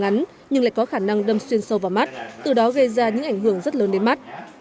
trong bước song ánh nhưng lại có khả năng đâm xuyên sâu vào mắt từ đó gây ra những ảnh hưởng rất lớn đến mắt